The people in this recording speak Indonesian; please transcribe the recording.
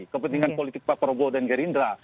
kepentingan politik pak prabowo dan gerindra